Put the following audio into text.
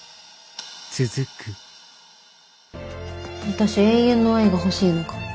私永遠の愛が欲しいのかも。